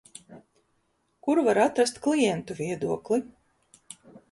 Kur var atrast klientu viedokli?